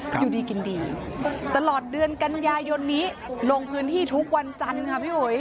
อยู่ดีกินดีตลอดเดือนกันยายนนี้ลงพื้นที่ทุกวันจันทร์ค่ะพี่อุ๋ย